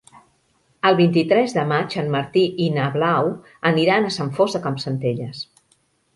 El vint-i-tres de maig en Martí i na Blau aniran a Sant Fost de Campsentelles.